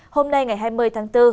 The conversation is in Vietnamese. hôm nay ngày hai mươi tháng bốn